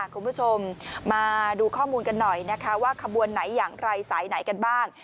คุณผู้ชมมาดูข้อมูลกันหน่อยนะคะว่าขบวนไหนอย่างไรสายไหนกันบ้าง